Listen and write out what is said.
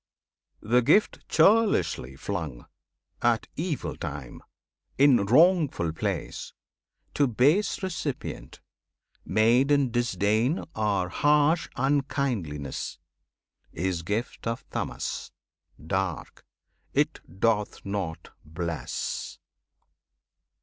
The gift churlishly flung, at evil time, In wrongful place, to base recipient, Made in disdain or harsh unkindliness, Is gift of Tamas, dark; it doth not bless!